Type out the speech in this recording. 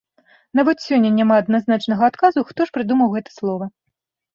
Нават сёння няма адназначнага адказу, хто ж прыдумаў гэта слова.